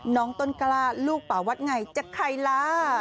น้องต้นกล้าลูกป่าวัดไงจะใครล่ะ